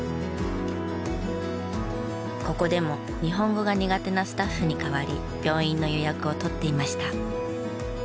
ここでも日本語が苦手なスタッフに代わり病院の予約を取っていました。